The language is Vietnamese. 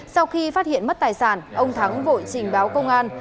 sau khi phát hiện mất tài sản ông thắng vội trình báo công an